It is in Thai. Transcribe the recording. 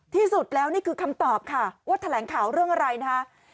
ที่สุดแล้วนี่คือคำตอบค่ะว่าแถลงข่าวเรื่องอะไรนะคะ